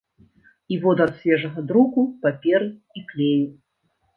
І водар свежага друку, паперы і клею.